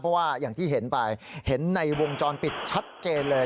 เพราะว่าอย่างที่เห็นไปเห็นในวงจรปิดชัดเจนเลย